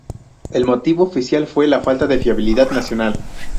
El motivo oficial fue "falta de fiabilidad nacional".